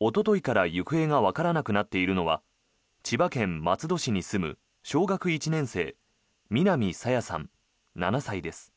おとといから行方がわからなくなっているのは千葉県松戸市に住む小学１年生南朝芽さん、７歳です。